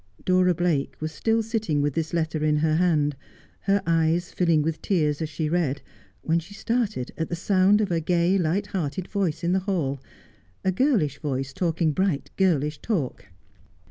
Dora Blake was still sitting with this letter in her hand, her eyes filling with tears as she read, when she started at the sound of a gay, light hearted voice in the hall — a girlish voice talking bright, girlish talk.